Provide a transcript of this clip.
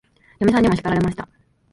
嫁さんにも叱られました。